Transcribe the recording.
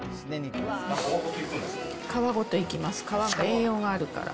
皮ごといきます、皮も栄養があるから。